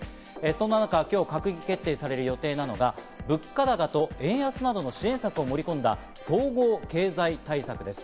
そんな中、今日、閣議決定される予定なのが物価高と円安などの支援策を盛り込んだ総合経済対策です。